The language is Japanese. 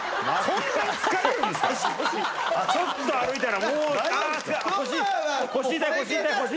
ちょっと歩いたら。